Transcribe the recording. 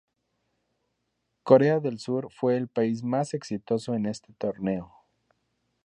Corea del Sur fue el país más exitoso en este torneo.